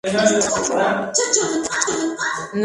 Debajo hay un ancla y a la punta superior una estrella.